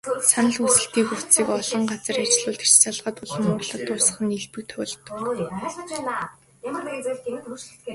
Санал хүсэлтийн утсыг олон газар ажиллуулдаг ч, залгаад улам уурлаад дуусах нь элбэг тохиолддог.